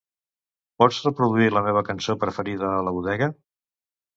Pots reproduir la meva cançó preferida a la bodega?